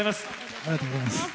ありがとうございます。